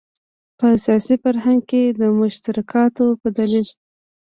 په سیاسي فرهنګ کې د مشترکاتو په دلیل.